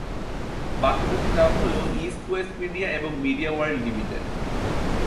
বাকি দুটি নাম হলো ইস্ট ওয়েস্ট মিডিয়া এবং মিডিয়া ওয়ার্ল্ড লিমিটেড।